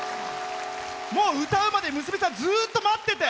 もう歌うまで娘さんずっと待ってて。